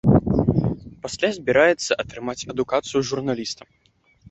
Пасля збіраецца атрымаць адукацыю журналіста.